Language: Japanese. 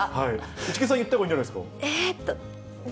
市來さん、言ったほうがいいんじゃないですか。